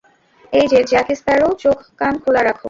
এইযে, Jack Sparrow, চোখ-কান খোলা রাখো।